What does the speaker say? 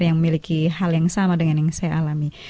yang memiliki hal yang sama dengan yang saya alami